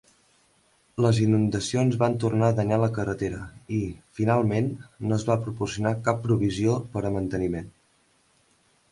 Les inundacions van tornar a danyar la carretera i, finalment, no es va proporcionar cap provisió per a manteniment.